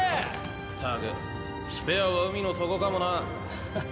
ったくスペアは海の底かもな。ははっ。